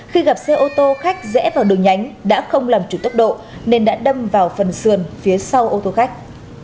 khi gặp xe ô tô khách rẽ vào đường nhánh đã không làm chủ tốc độ nên đã đâm vào phần sườn phía sau ô tô khách